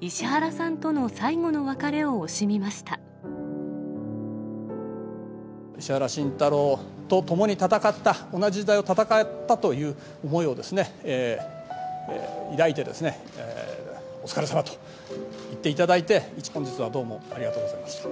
石原慎太郎と共に戦った、同じ時代を戦ったという思いをですね、抱いてですね、お疲れさまと言っていただいて、本日はどうもありがとうございました。